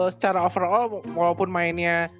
secara overall walaupun mainnya